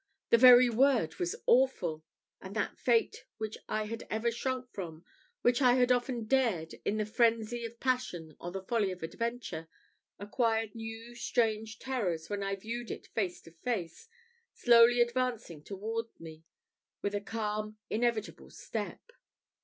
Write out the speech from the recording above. the very word was awful; and that fate which I had never shrunk from, which I had often dared, in the phrensy of passion or the folly of adventure, acquired new strange terrors when I viewed it face to face, slowly advancing towards me, with a calm inevitable step.